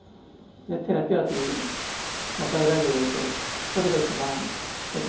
テラピアという外来魚がいてそれが一番よく釣れる場所だと。